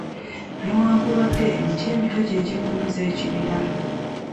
Newankubadde emiti emito gyejugumizza ekibira .